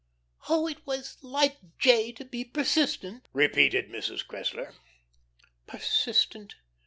"Oh, it was like 'J.' to be persistent," repeated Mrs. Cressler. "Persistent!"